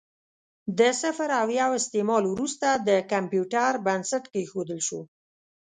د صفر او یو استعمال وروسته د کمپیوټر بنسټ کېښودل شو.